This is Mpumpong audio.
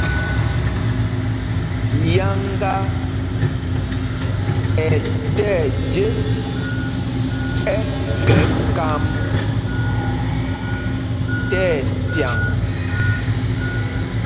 Yáŋgá ɛ tí ɛjes ɛkɛ kámb tí ɛcyaŋ.